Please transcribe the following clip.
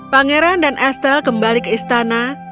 pangeran dan estel kembali ke istana